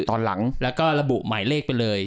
ตอนหลังแล้วก็ระบุหมายเลขไปเลย